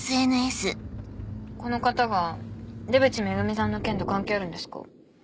この方が出渕恵美さんの件と関係あるんですか？